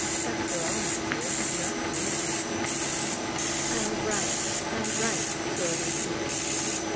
"After all, my dear, he's not unreasonable!" "I'll write I'll write," the girl repeated.